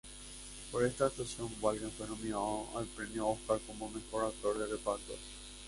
Por esta actuación, Walken fue nominado al premio Óscar como mejor actor de reparto.